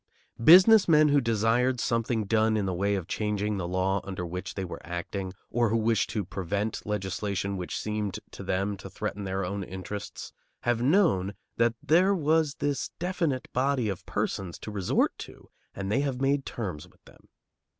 Business men who desired something done in the way of changing the law under which they were acting, or who wished to prevent legislation which seemed to them to threaten their own interests, have known that there was this definite body of persons to resort to, and they have made terms with them.